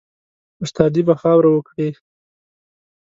استادي به خاوري وکړې